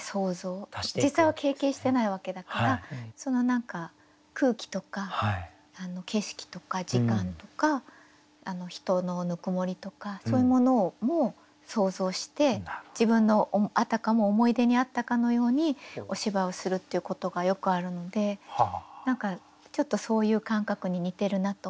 その何か空気とか景色とか時間とか人のぬくもりとかそういうものも想像して自分のあたかも思い出にあったかのようにお芝居をするっていうことがよくあるので何かちょっとそういう感覚に似てるなと思いました。